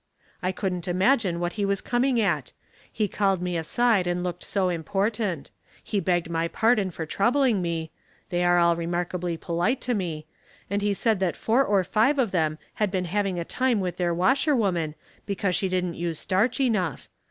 I couldn't imagine what he was cominsj at. He called me aside and looked so important. He begged my pardon for troubling me — they are all remarkably polite to me — and he said that four or five of them had been having a time with their washerwoman because she didn't use starch enough.